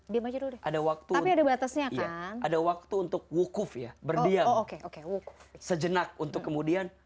boleh ada waktu ada batasnya kan ada waktu untuk wukuf ya berdiam oke oke sejenak untuk kemudian